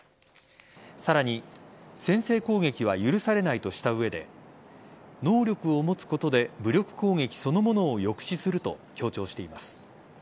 さらに先制攻撃は許されないとした上で能力を持つことで武力攻撃そのものを抑止すると強調しています。